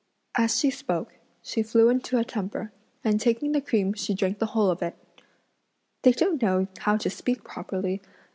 As she spoke, she flew into a temper, and taking the cream she drank the whole of it. "They don't know how to speak properly!"